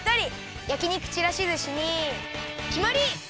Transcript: やき肉ちらしずしにきまり！